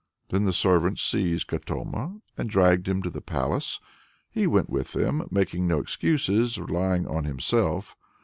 Then the servants seized Katoma and dragged him to the palace. He went with them, making no excuses, relying on himself.